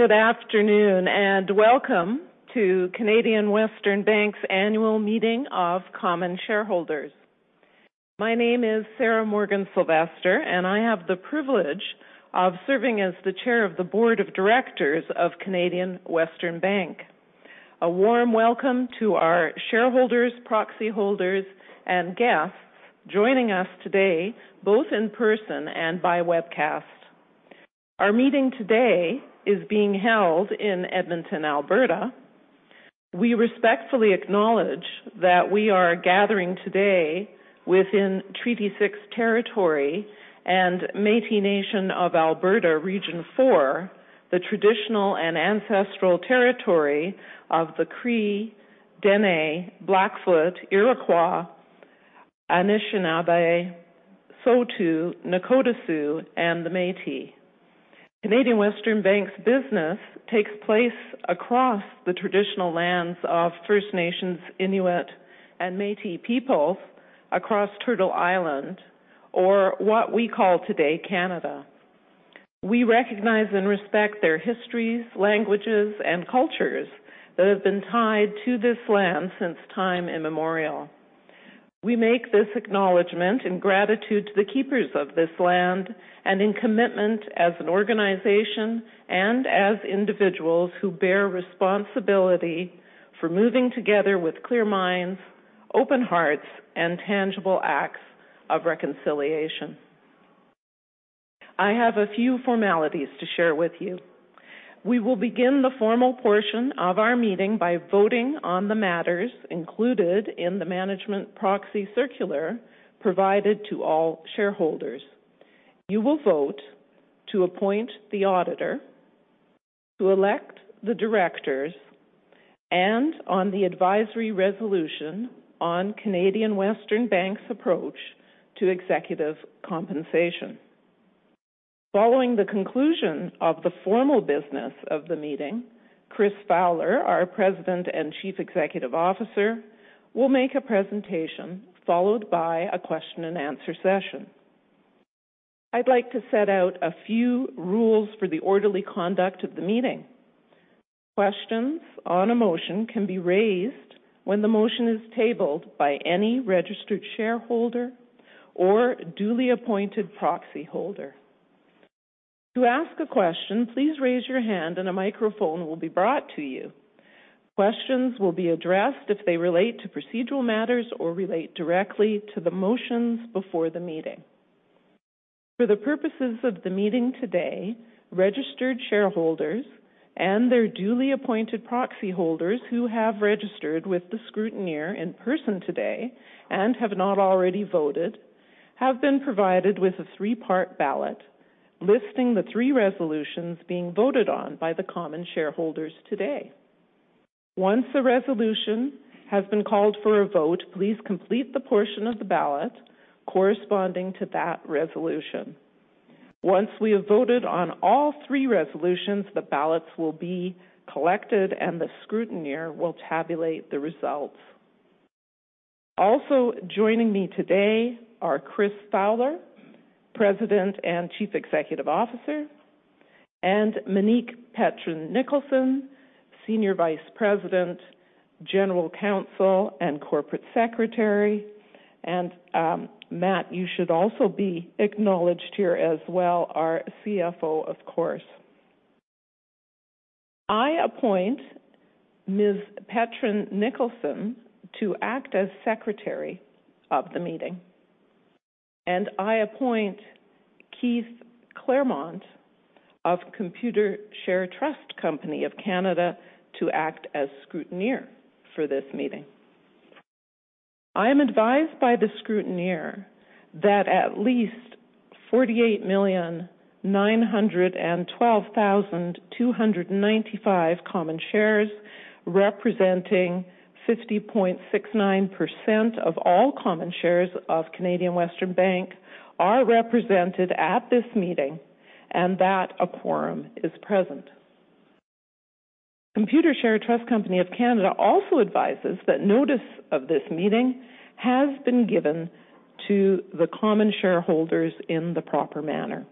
Good afternoon, and welcome to Canadian Western Bank's annual meeting of common shareholders. My name is Sarah Morgan-Silvester, and I have the privilege of serving as the Chair of the Board of Directors of Canadian Western Bank. A warm welcome to our shareholders, proxy holders, and guests joining us today, both in person and by webcast. Our meeting today is being held in Edmonton, Alberta. We respectfully acknowledge that we are gathering today within Treaty 6 territory and Métis Nation of Alberta Region 4, the traditional and ancestral territory of the Cree, Dene, Blackfoot, Iroquois, Anishinaabe, Saulteaux, Nakota Sioux, and the Métis. Canadian Western Bank's business takes place across the traditional lands of First Nations Inuit and Métis peoples across Turtle Island, or what we call today Canada. We recognize and respect their histories, languages, and cultures that have been tied to this land since time immemorial. We make this acknowledgment in gratitude to the keepers of this land and in commitment as an organization and as individuals who bear responsibility for moving together with clear minds, open hearts, and tangible acts of reconciliation. I have a few formalities to share with you. We will begin the formal portion of our meeting by voting on the matters included in the management proxy circular provided to all shareholders. You will vote to appoint the auditor, to elect the directors, and on the advisory resolution on Canadian Western Bank's approach to executive compensation. Following the conclusion of the formal business of the meeting, Chris Fowler, our President and Chief Executive Officer, will make a presentation followed by a question and answer session. I'd like to set out a few rules for the orderly conduct of the meeting. Questions on a motion can be raised when the motion is tabled by any registered shareholder or duly appointed proxyholder. To ask a question, please raise your hand and a microphone will be brought to you. Questions will be addressed if they relate to procedural matters or relate directly to the motions before the meeting. For the purposes of the meeting today, registered shareholders and their duly appointed proxyholders who have registered with the scrutineer in person today and have not already voted have been provided with a three-part ballot listing the three resolutions being voted on by the common shareholders today. Once a resolution has been called for a vote, please complete the portion of the ballot corresponding to that resolution. Once we have voted on all three resolutions, the ballots will be collected, and the scrutineer will tabulate the results. Also joining me today are Chris Fowler, President and Chief Executive Officer, and Monique Petrin-Nicholson, Senior Vice President, General Counsel, and Corporate Secretary. Matt, you should also be acknowledged here as well, our CFO, of course. I appoint Ms. Petrin-Nicholson to act as secretary of the meeting, and I appoint Keith Claremont of Computershare Trust Company of Canada to act as scrutineer for this meeting. I am advised by the scrutineer that at least 48,912,295 common shares, representing 50.69% of all common shares of Canadian Western Bank, are represented at this meeting and that a quorum is present. Computershare Trust Company of Canada also advises that notice of this meeting has been given to the common shareholders in the proper manner.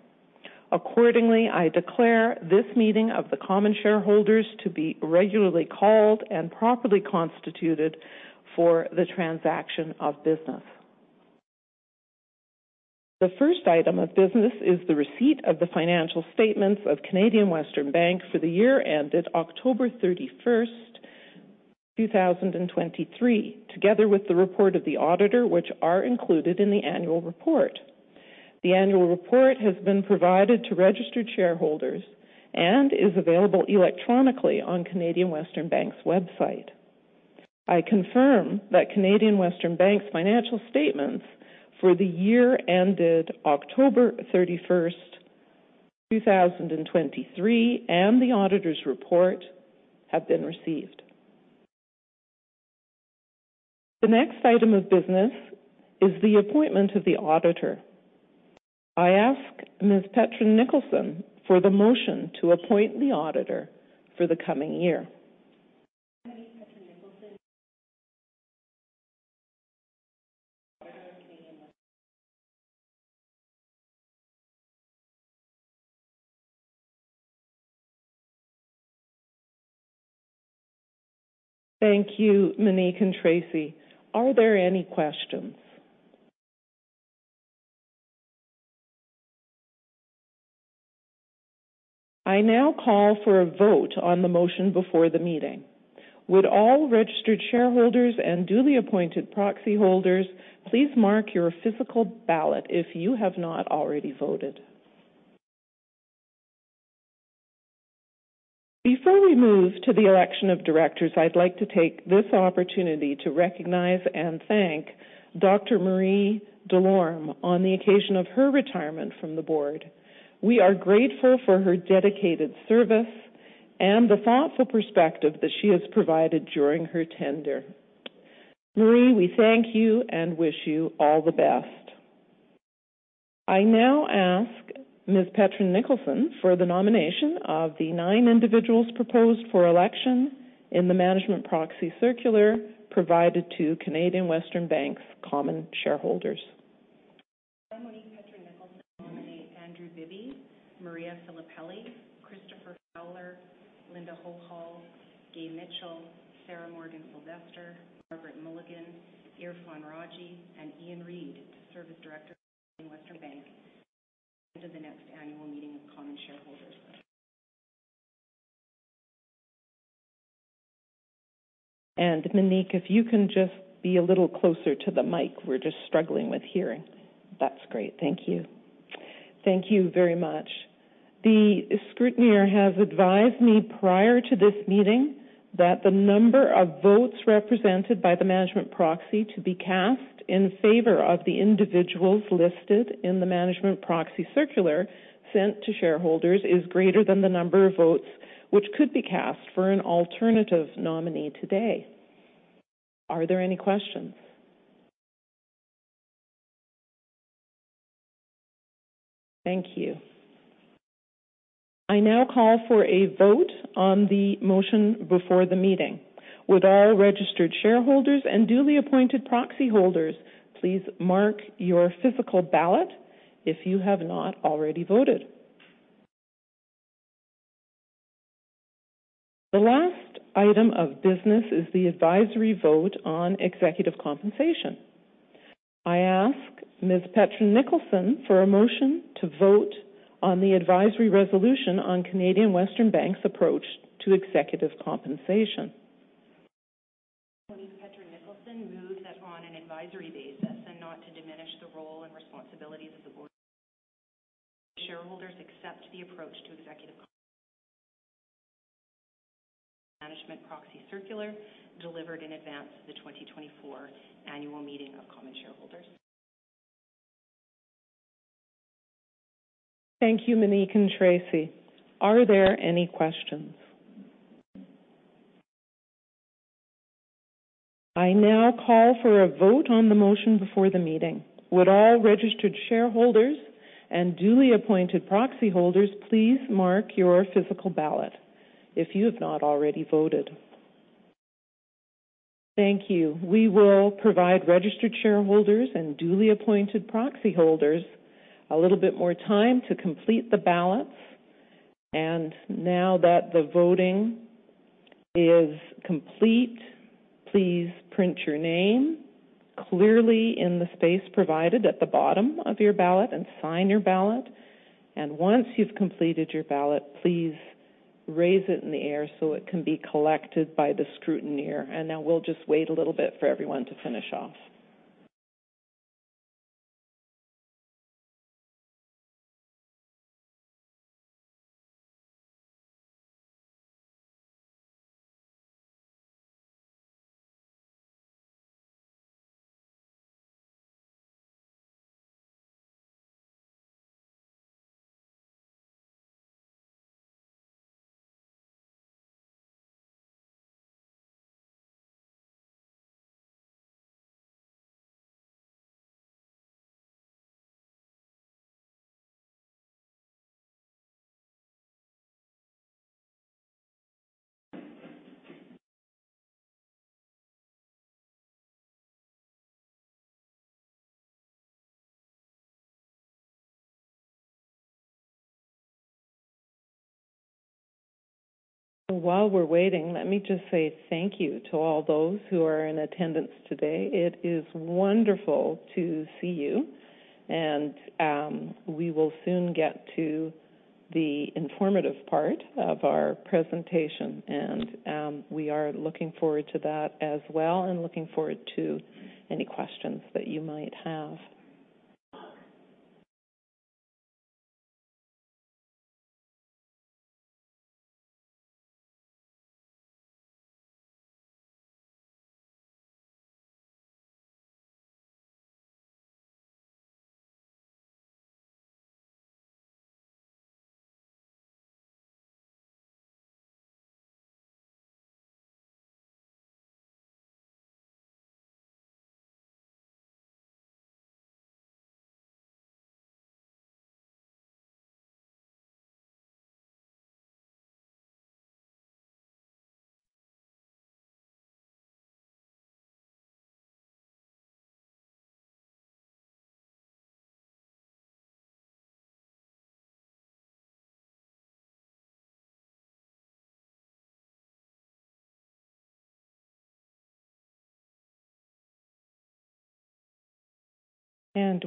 Accordingly, I declare this meeting of the common shareholders to be regularly called and properly constituted for the transaction of business. The first item of business is the receipt of the financial statements of Canadian Western Bank for the year ended October 31st, 2023, together with the report of the auditor, which are included in the annual report. The annual report has been provided to registered shareholders and is available electronically on Canadian Western Bank's website. I confirm that Canadian Western Bank's financial statements for the year ended October 31st, 2023, and the auditor's report have been received. The next item of business is the appointment of the auditor. I ask Ms. Petrin-Nicholson for the motion to appoint the auditor for the coming year. Thank you, Monique and Tracy. Are there any questions? I now call for a vote on the motion before the meeting. Would all registered shareholders and duly appointed proxy holders please mark your physical ballot if you have not already voted. Before we move to the election of directors, I'd like to take this opportunity to recognize and thank Dr. Marie Delorme on the occasion of her retirement from the board. We are grateful for her dedicated service and the thoughtful perspective that she has provided during her tenure. Marie, we thank you and wish you all the best. I now ask Ms. Petrin-Nicholson for the nomination of the nine individuals proposed for election in the management proxy circular provided to Canadian Western Bank's common shareholders. I, Monique Petrin-Nicholson, nominate Andrew J. Bibby, Maria Filippelli, Chris Fowler, Linda M. O. Hohol, E. Gay Mitchell, Sarah Morgan-Silvester, Margaret J. Mulligan, Irfhan Rawji, and Ian Reid to serve as directors of Canadian Western Bank until the next annual meeting of common shareholders. Monique, if you can just be a little closer to the mic, we're just struggling with hearing. That's great. Thank you. Thank you very much. The scrutineer has advised me prior to this meeting that the number of votes represented by the management proxy to be cast in favor of the individuals listed in the management proxy circular sent to shareholders is greater than the number of votes which could be cast for an alternative nominee today. Are there any questions? Thank you. I now call for a vote on the motion before the meeting. Would all registered shareholders and duly appointed proxy holders please mark your physical ballot if you have not already voted. The last item of business is the advisory vote on executive compensation. I ask Ms. Petrin-Nicholson for a motion to vote on the advisory resolution on Canadian Western Bank's approach to executive compensation. Monique Petrin-Nicholson moves that on an advisory basis, and not to diminish the role and responsibilities of the board of directors, shareholders accept the approach to executive compensation as set out in the management proxy circular delivered in advance of the 2024 annual meeting of common shareholders. Thank you, Monique and Tracy. Are there any questions? I now call for a vote on the motion before the meeting. Would all registered shareholders and duly appointed proxy holders please mark your physical ballot if you have not already voted. Thank you. We will provide registered shareholders and duly appointed proxy holders a little bit more time to complete the ballots. Now that the voting is complete, please print your name clearly in the space provided at the bottom of your ballot and sign your ballot. Once you've completed your ballot, please raise it in the air so it can be collected by the scrutineer. Now we'll just wait a little bit for everyone to finish off. While we're waiting, let me just say thank you to all those who are in attendance today. It is wonderful to see you. We will soon get to the informative part of our presentation, and we are looking forward to that as well and looking forward to any questions that you might have.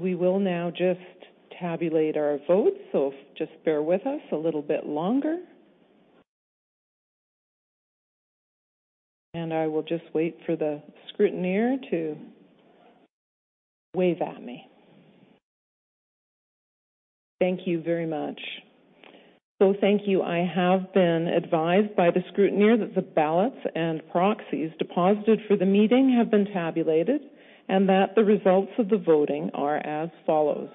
We will now just tabulate our votes, so just bear with us a little bit longer. I will just wait for the scrutineer to wave at me. Thank you very much. Thank you. I have been advised by the scrutineer that the ballots and proxies deposited for the meeting have been tabulated and that the results of the voting are as follows.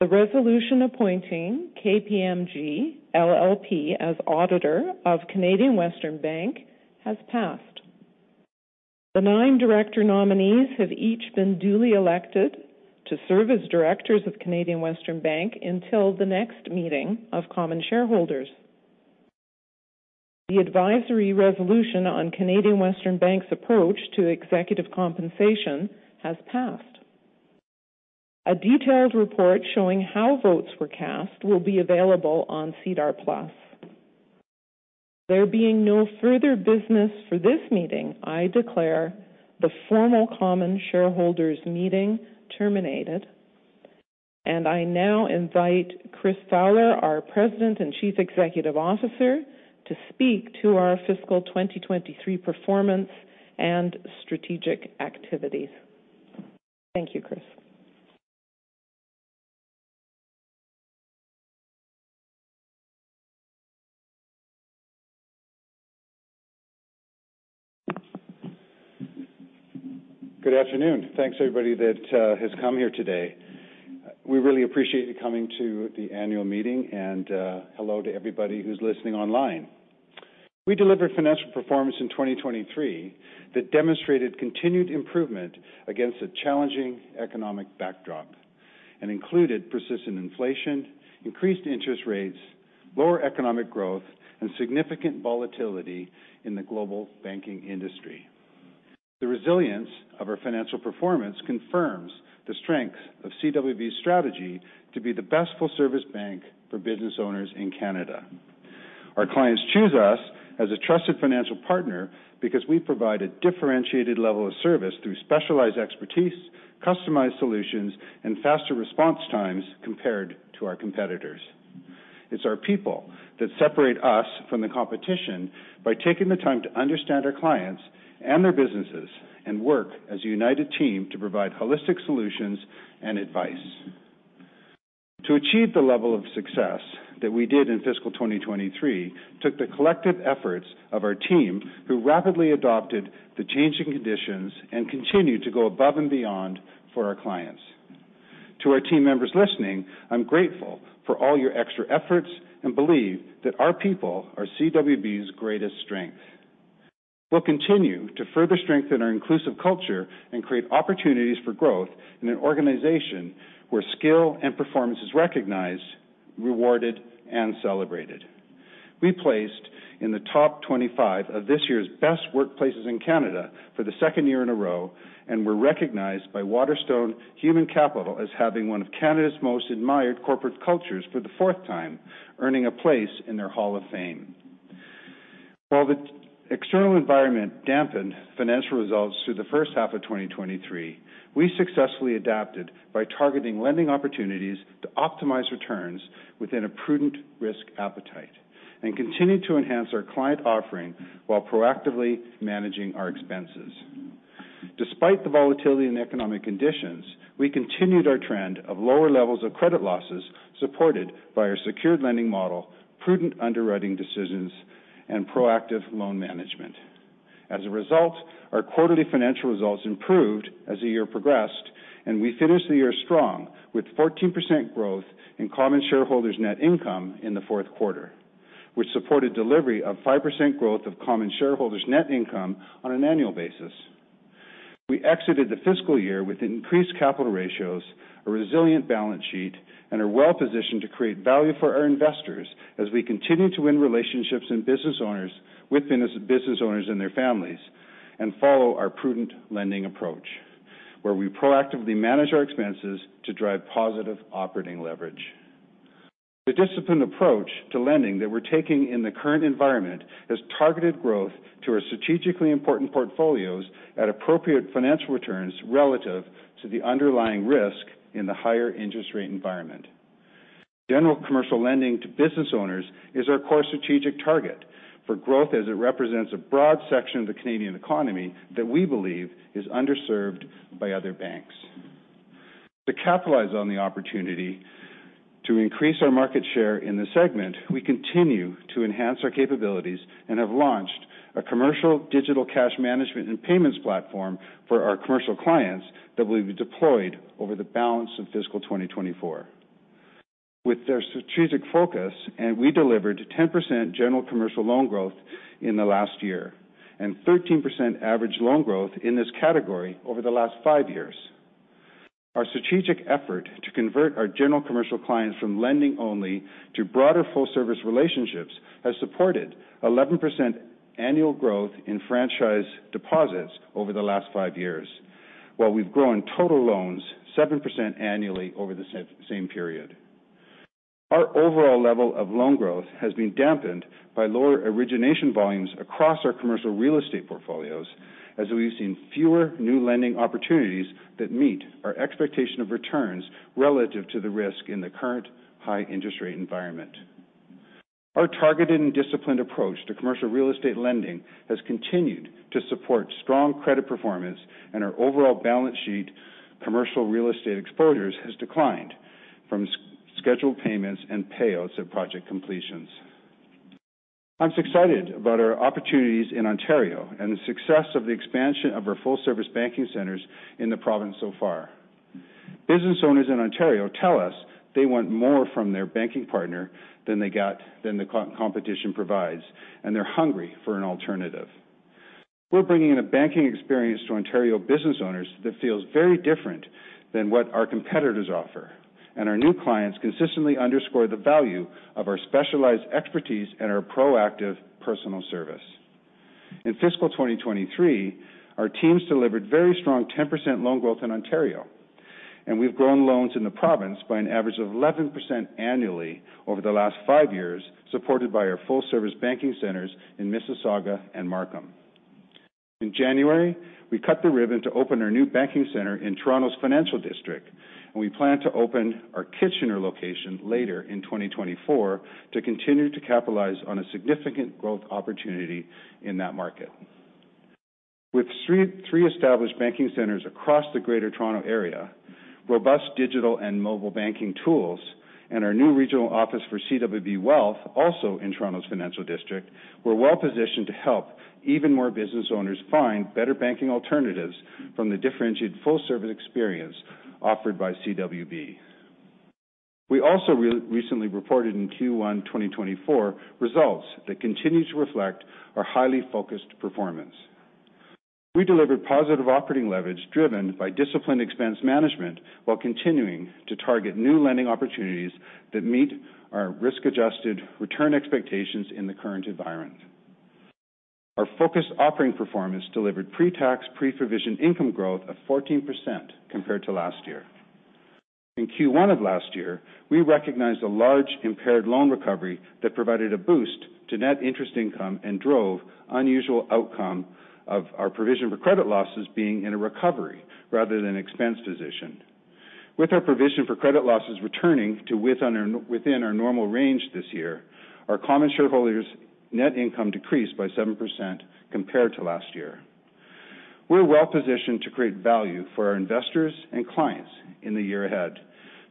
The resolution appointing KPMG LLP as auditor of Canadian Western Bank has passed. The nine director nominees have each been duly elected to serve as directors of Canadian Western Bank until the next meeting of common shareholders. The advisory resolution on Canadian Western Bank's approach to executive compensation has passed. A detailed report showing how votes were cast will be available on SEDAR+. There being no further business for this meeting, I declare the formal common shareholders meeting terminated, and I now invite Chris Fowler, our President and Chief Executive Officer, to speak to our fiscal 2023 performance and strategic activities. Thank you, Chris. Good afternoon. Thanks everybody that has come here today. We really appreciate you coming to the annual meeting, and hello to everybody who's listening online. We delivered financial performance in 2023 that demonstrated continued improvement against a challenging economic backdrop and included persistent inflation, increased interest rates, lower economic growth, and significant volatility in the global banking industry. The resilience of our financial performance confirms the strength of CWB's strategy to be the best full service bank for business owners in Canada. Our clients choose us as a trusted financial partner because we provide a differentiated level of service through specialized expertise, customized solutions, and faster response times compared to our competitors. It's our people that separate us from the competition by taking the time to understand our clients and their businesses and work as a united team to provide holistic solutions and advice. To achieve the level of success that we did in fiscal 2023 took the collective efforts of our team, who rapidly adopted the changing conditions and continued to go above and beyond for our clients. To our team members listening, I'm grateful for all your extra efforts and believe that our people are CWB's greatest strength. We'll continue to further strengthen our inclusive culture and create opportunities for growth in an organization where skill and performance is recognized, rewarded, and celebrated. We placed in the top 25 of this year's Best Workplaces in Canada for the second year in a row and were recognized by Waterstone Human Capital as having one of Canada's Most Admired Corporate Cultures for the fourth time, earning a place in their Hall of Fame. While the external environment dampened financial results through the first half of 2023, we successfully adapted by targeting lending opportunities to optimize returns within a prudent risk appetite and continued to enhance our client offering while proactively managing our expenses. Despite the volatility in economic conditions, we continued our trend of lower levels of credit losses, supported by our secured lending model, prudent underwriting decisions, and proactive loan management. As a result, our quarterly financial results improved as the year progressed, and we finished the year strong with 14% growth in common shareholders' net income in the fourth quarter, which supported delivery of 5% growth of common shareholders' net income on an annual basis. We exited the fiscal year with increased capital ratios, a resilient balance sheet, and are well-positioned to create value for our investors as we continue to win relationships with business owners and their families and follow our prudent lending approach, where we proactively manage our expenses to drive positive operating leverage. The disciplined approach to lending that we're taking in the current environment has targeted growth to our strategically important portfolios at appropriate financial returns relative to the underlying risk in the higher interest rate environment. General commercial lending to business owners is our core strategic target for growth, as it represents a broad section of the Canadian economy that we believe is underserved by other banks. To capitalize on the opportunity to increase our market share in this segment, we continue to enhance our capabilities and have launched a commercial digital cash management and payments platform for our commercial clients that will be deployed over the balance of fiscal 2024. With their strategic focus, we delivered 10% general commercial loan growth in the last year and 13% average loan growth in this category over the last five years. Our strategic effort to convert our general commercial clients from lending only to broader full-service relationships has supported 11% annual growth in franchise deposits over the last five years. While we've grown total loans 7% annually over the same period. Our overall level of loan growth has been dampened by lower origination volumes across our commercial real estate portfolios, as we've seen fewer new lending opportunities that meet our expectation of returns relative to the risk in the current high interest rate environment. Our targeted and disciplined approach to commercial real estate lending has continued to support strong credit performance and our overall balance sheet commercial real estate exposures has declined from scheduled payments and payouts at project completions. I'm excited about our opportunities in Ontario and the success of the expansion of our full service banking centers in the province so far. Business owners in Ontario tell us they want more from their banking partner than the competition provides, and they're hungry for an alternative. We're bringing in a banking experience to Ontario business owners that feels very different than what our competitors offer. Our new clients consistently underscore the value of our specialized expertise and our proactive personal service. In fiscal 2023, our teams delivered very strong 10% loan growth in Ontario, and we've grown loans in the province by an average of 11% annually over the last five years, supported by our full service banking centers in Mississauga and Markham. In January, we cut the ribbon to open our new banking center in Toronto's financial district, and we plan to open our Kitchener location later in 2024 to continue to capitalize on a significant growth opportunity in that market. With three established banking centers across the Greater Toronto Area, robust digital and mobile banking tools, and our new regional office for CWB Wealth, also in Toronto's financial district, we're well-positioned to help even more business owners find better banking alternatives from the differentiated full-service experience offered by CWB. We also recently reported in Q1 2024 results that continue to reflect our highly focused performance. We delivered positive operating leverage driven by disciplined expense management while continuing to target new lending opportunities that meet our risk-adjusted return expectations in the current environment. Our focused operating performance delivered pre-tax, pre-provision income growth of 14% compared to last year. In Q1 of last year, we recognized a large impaired loan recovery that provided a boost to net interest income and drove unusual outcome of our provision for credit losses being in a recovery rather than an expense position. With our provision for credit losses returning to within our normal range this year, our common shareholders' net income decreased by 7% compared to last year. We're well-positioned to create value for our investors and clients in the year ahead,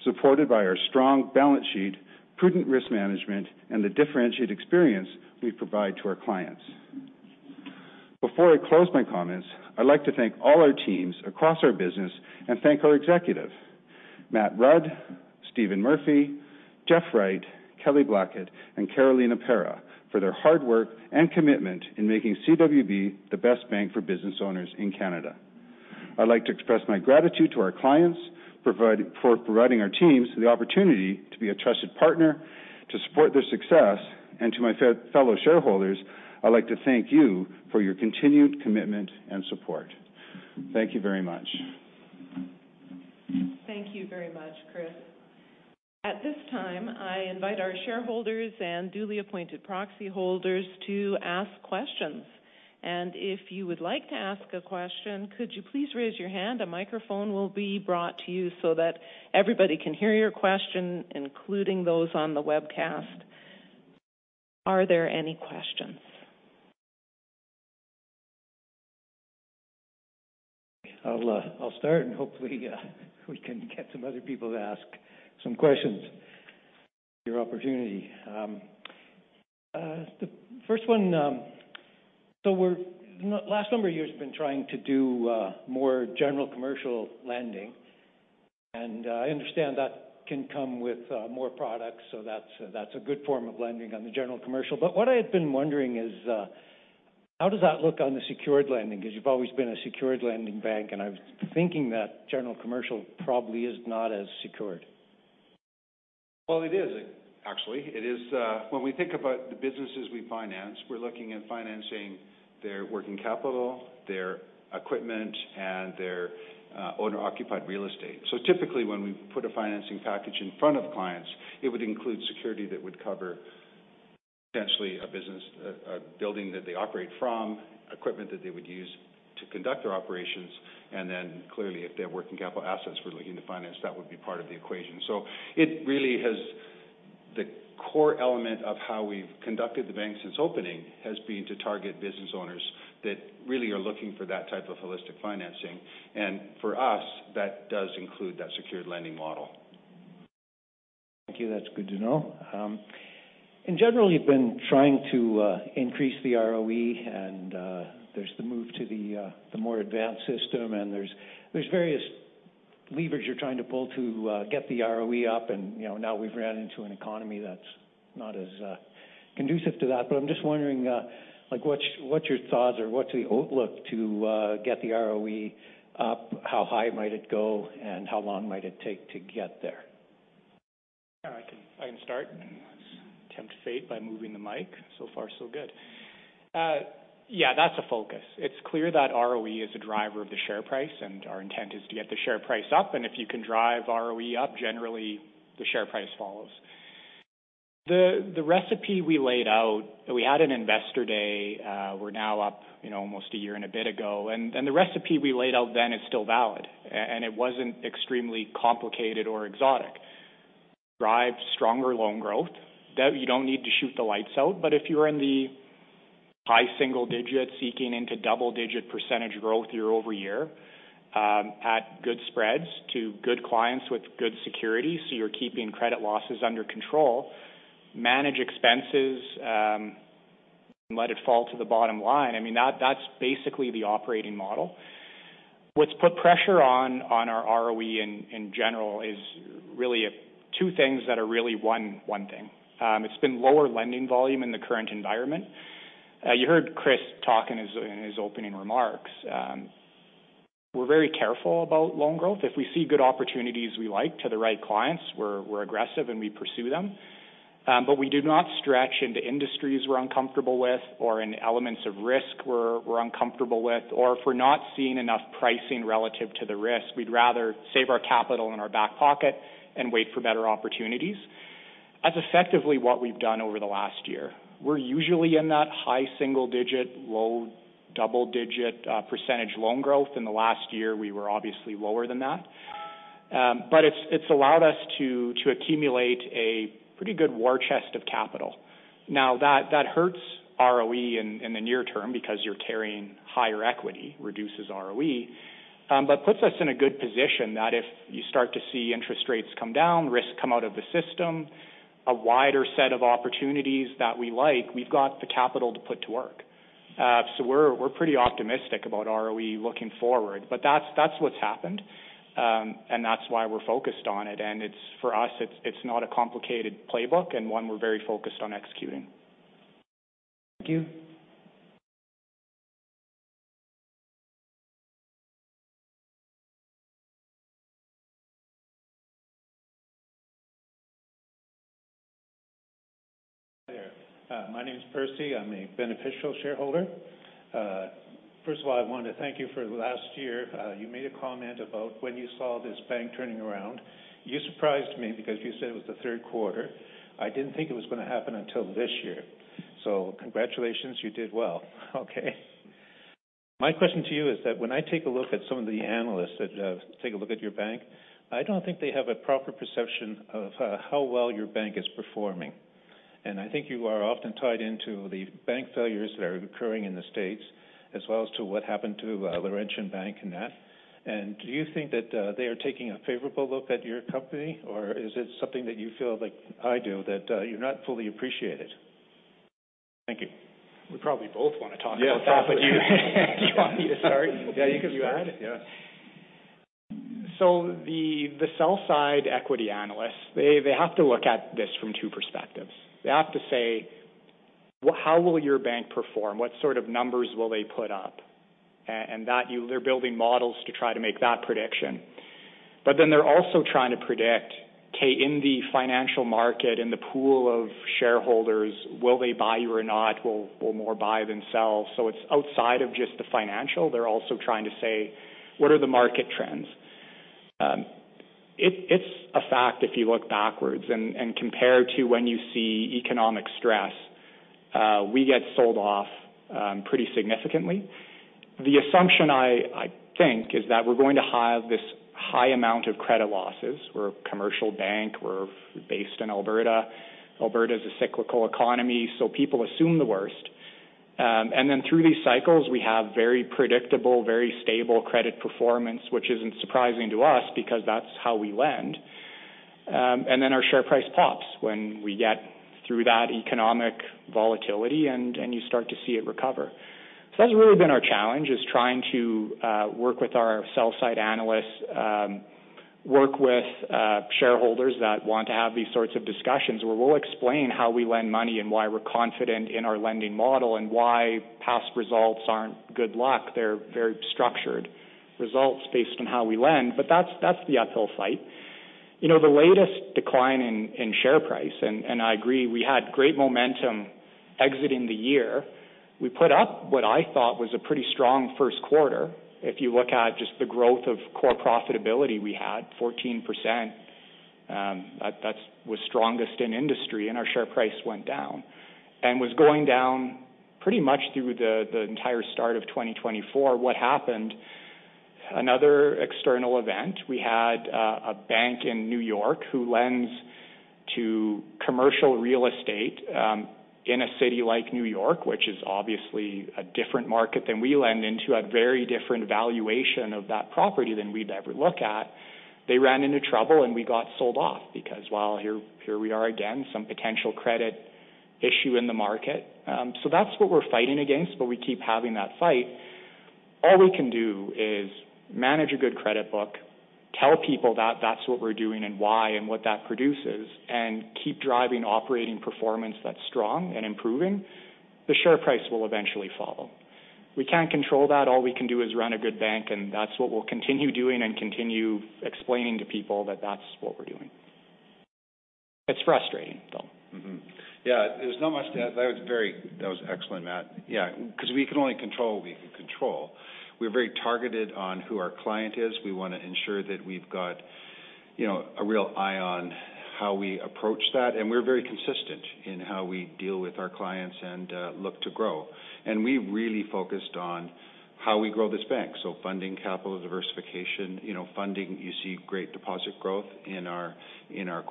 supported by our strong balance sheet, prudent risk management, and the differentiated experience we provide to our clients. Before I close my comments, I'd like to thank all our teams across our business and thank our executive, Matt Rudd, Stephen Murphy, Jeff Wright, Kelly Blackett, and Carolina Parra for their hard work and commitment in making CWB the best bank for business owners in Canada. I'd like to express my gratitude to our clients for providing our teams the opportunity to be a trusted partner to support their success, and to my fellow shareholders, I'd like to thank you for your continued commitment and support. Thank you very much. Thank you very much, Chris. At this time, I invite our shareholders and duly appointed proxy holders to ask questions. If you would like to ask a question, could you please raise your hand? A microphone will be brought to you so that everybody can hear your question, including those on the webcast. Are there any questions? I'll start and hopefully we can get some other people to ask some questions. Your opportunity. The first one, last number of years been trying to do more general commercial lending, I understand that can come with more products, that's a good form of lending on the general commercial. What I had been wondering is how does that look on the secured lending? You've always been a secured lending bank, I was thinking that general commercial probably is not as secured. It is, actually. When we think about the businesses we finance, we're looking at financing their working capital, their equipment, and their owner-occupied real estate. Typically, when we put a financing package in front of clients, it would include security that would cover potentially a business, a building that they operate from, equipment that they would use to conduct their operations, and then clearly, if they have working capital assets we're looking to finance, that would be part of the equation. The core element of how we've conducted the bank since opening has been to target business owners that really are looking for that type of holistic financing. For us, that does include that secured lending model. Thank you. That's good to know. In general, you've been trying to increase the ROE. There's the move to the more advanced system. There's various levers you're trying to pull to get the ROE up. Now we've ran into an economy that's not as conducive to that. I'm just wondering what's your thoughts or what's the outlook to get the ROE up? How high might it go? How long might it take to get there? I can start. Let's tempt fate by moving the mic. So far so good. Yeah, that's a focus. It's clear that ROE is a driver of the share price, and our intent is to get the share price up. If you can drive ROE up, generally, the share price follows. The recipe we laid out. We had an investor day. We're now up almost a year and a bit ago. The recipe we laid out then is still valid, and it wasn't extremely complicated or exotic. Drive stronger loan growth. You don't need to shoot the lights out, but if you're in the high single digits, eking into double-digit percentage growth year- over- year at good spreads to good clients with good security, so you're keeping credit losses under control. Manage expenses, let it fall to the bottom line. I mean, that's basically the operating model. What's put pressure on our ROE in general is really two things that are really one thing. It's been lower lending volume in the current environment. You heard Chris talk in his opening remarks. We're very careful about loan growth. If we see good opportunities we like to the right clients, we're aggressive, and we pursue them. We do not stretch into industries we're uncomfortable with or in elements of risk we're uncomfortable with, or if we're not seeing enough pricing relative to the risk. We'd rather save our capital in our back pocket and wait for better opportunities. That's effectively what we've done over the last year. We're usually in that high single-digit, low double-digit percentage loan growth. In the last year, we were obviously lower than that. It's allowed us to accumulate a pretty good war chest of capital. That hurts ROE in the near- term because you're carrying higher equity, reduces ROE. Puts us in a good position that if you start to see interest rates come down, risk come out of the system, a wider set of opportunities that we like, we've got the capital to put to work. We're pretty optimistic about ROE looking forward. That's what's happened, and that's why we're focused on it. For us, it's not a complicated playbook, and one we're very focused on executing. Thank you. Hi there. My name's Percy. I'm a beneficial shareholder. First of all, I want to thank you for last year. You made a comment about when you saw this bank turning around. You surprised me because you said it was the third quarter. I didn't think it was going to happen until this year. Congratulations, you did well. Okay. My question to you is that when I take a look at some of the analysts that take a look at your bank, I don't think they have a proper perception of how well your bank is performing. I think you are often tied into the bank failures that are occurring in the States, as well as to what happened to Laurentian Bank and that. Do you think that they are taking a favorable look at your company, or is it something that you feel like I do, that you're not fully appreciated? Thank you. We probably both want to talk about that one. Yeah. Do you want me to start and we'll see if you add? Yeah, you can start. Yeah. The sell-side equity analysts, they have to look at this from two perspectives. They have to say, "How will your bank perform? What sort of numbers will they put up?" They're building models to try to make that prediction. Then they're also trying to predict, okay, in the financial market, in the pool of shareholders, will they buy you or not? Will more buy than sell? It's outside of just the financial. They're also trying to say, "What are the market trends?" It's a fact if you look backwards and compare to when you see economic stress, we get sold off pretty significantly. The assumption, I think, is that we're going to have this high amount of credit losses. We're a commercial bank. We're based in Alberta. Alberta is a cyclical economy, so people assume the worst. Through these cycles, we have very predictable, very stable credit performance, which isn't surprising to us because that's how we lend. Our share price pops when we get through that economic volatility and you start to see it recover. That's really been our challenge is trying to work with our sell-side analysts, work with shareholders that want to have these sorts of discussions where we'll explain how we lend money and why we're confident in our lending model and why past results aren't good luck. They're very structured results based on how we lend. That's the uphill fight. The latest decline in share price, and I agree, we had great momentum exiting the year. We put up what I thought was a pretty strong first quarter. If you look at just the growth of core profitability we had, 14%. That was strongest in industry, and our share price went down, and was going down pretty much through the entire start of 2024. What happened, another external event. We had a bank in New York who lends to commercial real estate in a city like New York, which is obviously a different market than we lend in, to a very different valuation of that property than we'd ever look at. They ran into trouble, and we got sold off because, well, here we are again, some potential credit issue in the market. That's what we're fighting against, but we keep having that fight. All we can do is manage a good credit book, tell people that's what we're doing and why and what that produces, and keep driving operating performance that's strong and improving. The share price will eventually follow. We can't control that. All we can do is run a good bank, and that's what we'll continue doing and continue explaining to people that that's what we're doing. It's frustrating, though. Yeah. There's not much to add. That was excellent, Matt. Yeah, we can only control what we can control. We're very targeted on who our client is. We want to ensure that we've got a real eye on how we approach that, we're very consistent in how we deal with our clients and look to grow. We really focused on how we grow this bank. Funding capital diversification, funding, you see great deposit growth in our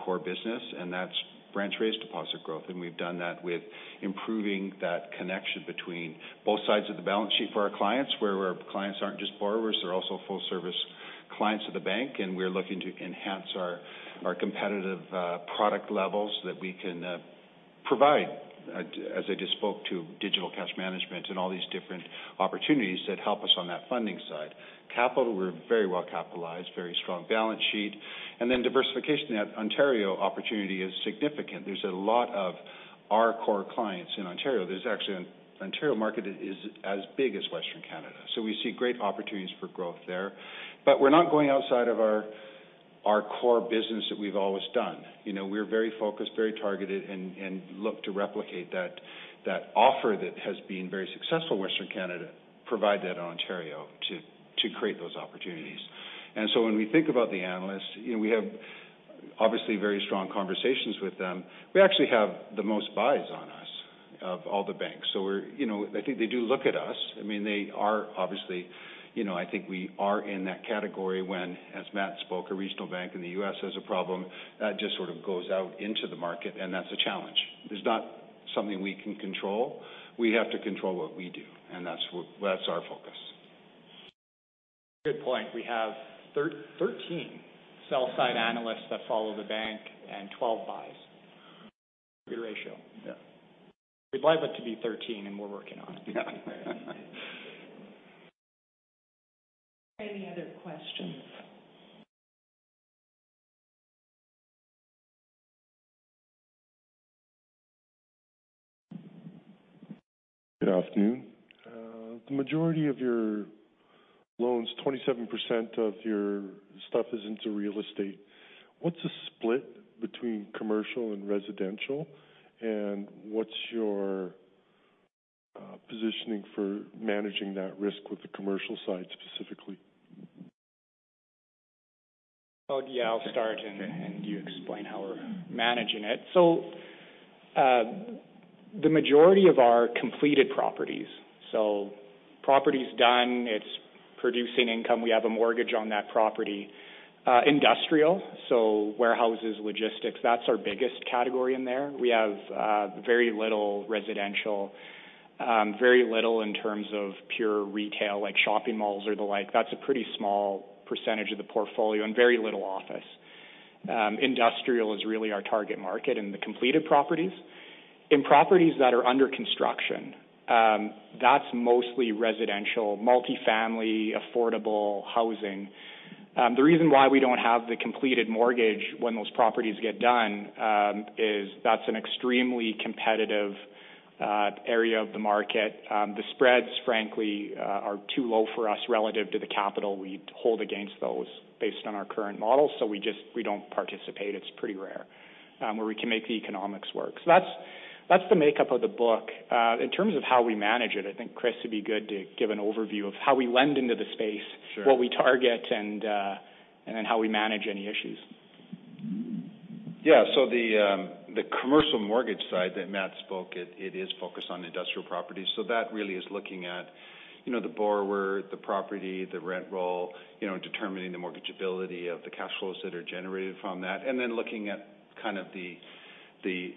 core business, and that's branch-raised deposit growth. We've done that with improving that connection between both sides of the balance sheet for our clients, where our clients aren't just borrowers, they're also full-service clients of the bank, and we're looking to enhance our competitive product levels that we can provide, as I just spoke to digital cash management and all these different opportunities that help us on that funding side. Capital, we're very well capitalized, very strong balance sheet. Diversification, that Ontario opportunity is significant. There's a lot of our core clients in Ontario. Actually, Ontario market is as big as Western Canada. We see great opportunities for growth there. We're not going outside of our core business that we've always done. We're very focused, very targeted, and look to replicate that offer that has been very successful in Western Canada, provide that in Ontario to create those opportunities. When we think about the analysts, we have obviously very strong conversations with them. We actually have the most buys on us of all the banks. I think they do look at us. Obviously, I think we are in that category when, as Matt spoke, a regional bank in the U.S. has a problem, that just sort of goes out into the market, and that's a challenge. It's not something we can control. We have to control what we do, and that's our focus. Good point. We have 13 sell side analysts that follow the bank and 12 buys. Good ratio. Yeah. We'd like it to be 13, and we're working on it. Yeah. Any other questions? Good afternoon. The majority of your loans, 27% of your stuff is into real estate. What's the split between commercial and residential, and what's your positioning for managing that risk with the commercial side specifically? Yeah, I'll start, and you explain how we're managing it. The majority of our completed properties, so property's done, it's producing income, we have a mortgage on that property. Industrial, so warehouses, logistics, that's our biggest category in there. We have very little residential, very little in terms of pure retail like shopping malls or the like. That's a pretty small percentage of the portfolio and very little office. Industrial is really our target market in the completed properties. In properties that are under construction, that's mostly residential, multi-family, affordable housing. The reason why we don't have the completed mortgage when those properties get done is that's an extremely competitive area of the market. The spreads, frankly, are too low for us relative to the capital we hold against those based on our current model. We don't participate. It's pretty rare where we can make the economics work. That's the makeup of the book. In terms of how we manage it, I think, Chris, it'd be good to give an overview of how we lend into the space. Sure what we target, and then how we manage any issues. The commercial mortgage side that Matt spoke, it is focused on industrial properties. That really is looking at the borrower, the property, the rent roll, determining the mortgage ability of the cash flows that are generated from that, and then looking at kind of the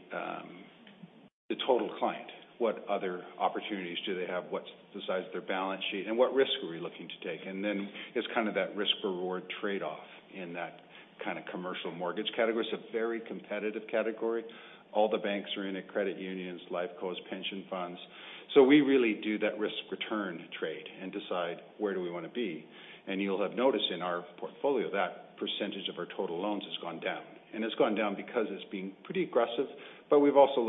total client, what other opportunities do they have, what's the size of their balance sheet, and what risk are we looking to take? Then it's kind of that risk-reward trade-off in that kind of commercial mortgage category. It's a very competitive category. All the banks are in it, credit unions, life co's, pension funds. We really do that risk-return trade and decide where do we want to be. You'll have noticed in our portfolio, that percentage of our total loans has gone down, and it's gone down because it's being pretty aggressive. We've also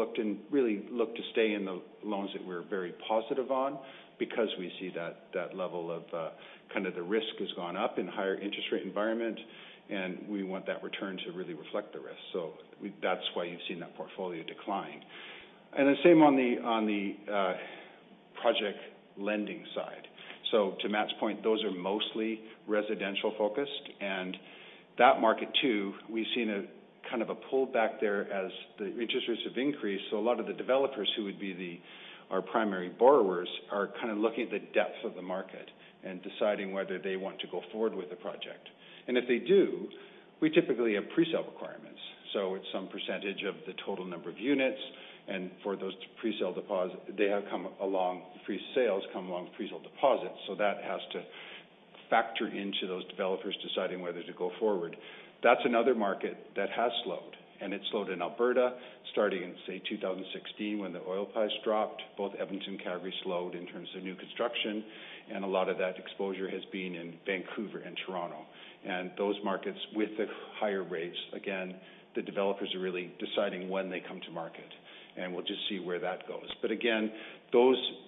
really looked to stay in the loans that we're very positive on because we see that level of kind of the risk has gone up in a higher interest rate environment, and we want that return to really reflect the risk. That's why you've seen that portfolio decline. The same on the project lending side. To Matt's point, those are mostly residential-focused, and that market too, we've seen kind of a pullback there as the interest rates have increased. A lot of the developers who would be our primary borrowers are kind of looking at the depth of the market and deciding whether they want to go forward with the project. If they do, we typically have pre-sale requirements. It's some percentage of the total number of units, and for those pre-sale deposits, pre-sales come along with pre-sale deposits. That has to factor into those developers deciding whether to go forward. That's another market that has slowed, and it slowed in Alberta starting in, say, 2016 when the oil price dropped. Both Edmonton and Calgary slowed in terms of new construction, and a lot of that exposure has been in Vancouver and Toronto. Those markets with the higher rates, again, the developers are really deciding when they come to market, and we'll just see where that goes. Again,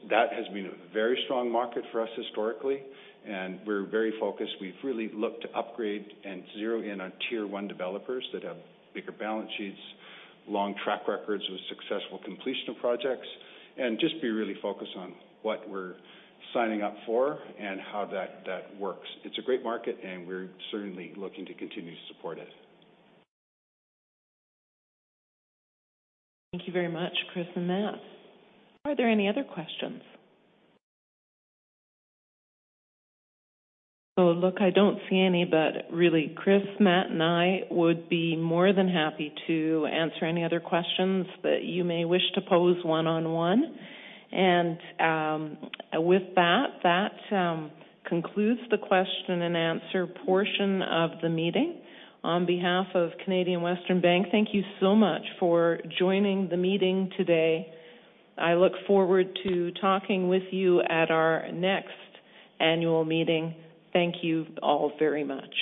that has been a very strong market for us historically, and we're very focused. We've really looked to upgrade and zero in on tier 1 developers that have bigger balance sheets, long track records with successful completion of projects, and just be really focused on what we're signing up for and how that works. It's a great market, and we're certainly looking to continue to support it. Thank you very much, Chris and Matt. Are there any other questions? I don't see any, but really, Chris, Matt, and I would be more than happy to answer any other questions that you may wish to pose one-on-one. With that concludes the question and answer portion of the meeting. On behalf of Canadian Western Bank, thank you so much for joining the meeting today. I look forward to talking with you at our next annual meeting. Thank you all very much.